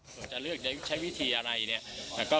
ส่วนจะเลือกจะใช้วิธีอะไรเนี่ย